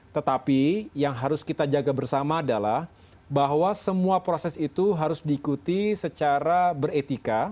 tetapi yang harus kita jaga bersama adalah bahwa semua proses itu harus diikuti secara beretika